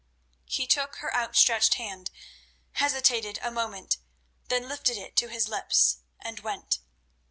He took her outstretched hand, hesitated a moment, then lifted it to his lips, and went.